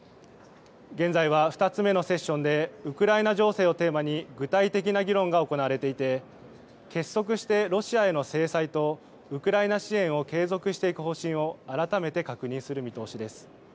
現在は２つ目のセッションでウクライナ情勢をテーマに具体的な議論が行われていて結束してロシアへの制裁とウクライナ支援を継続していく方針を改めて確認する見通しです。